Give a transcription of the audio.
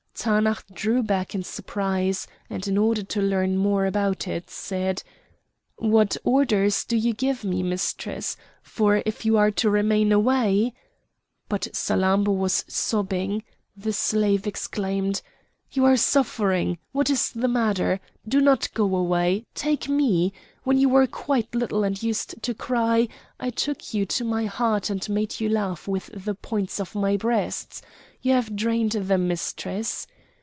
Taanach drew back in surprise, and in order to learn more about it, said: "What orders to you give me, Mistress? for if you are to remain away—" But Salammbô was sobbing; the slave exclaimed: "You are suffering! what is the matter? Do not go away! take me! When you were quite little and used to cry, I took you to my heart and made you laugh with the points of my breasts; you have drained them, Mistress!"